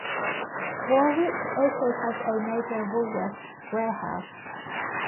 Warwick also has a major Woolworths warehouse.